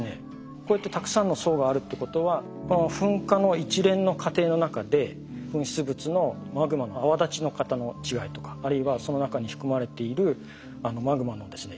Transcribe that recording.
こうやってたくさんの層があるってことは噴火の一連の過程の中で噴出物のマグマの泡立ち方の違いとかあるいはその中に含まれているマグマのですね